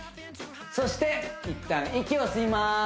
そしていったん息を吸います